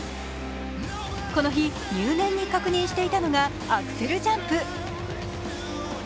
この日、入念に確認していたのがアクセルジャンプ。